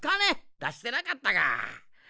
だしてなかったか。